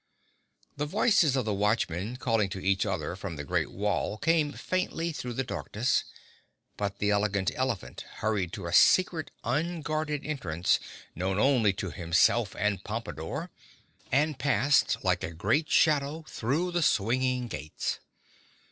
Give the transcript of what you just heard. The voices of the watchmen calling to each other from the great wall came faintly through the darkness, but the Elegant Elephant hurried to a secret unguarded entrance known only to himself and Pompadore and passed like a great shadow through the swinging gates.